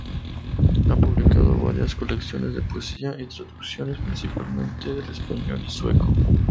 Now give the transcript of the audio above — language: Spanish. Ha publicado varias colecciones de poesía y traducciones, principalmente del español y sueco.